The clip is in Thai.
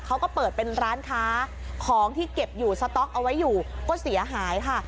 เขาก็เปิดเป็นร้านค้าของที่เก็บอยู่สต๊อกเอาไว้อยู่ก็เสียหายค่ะ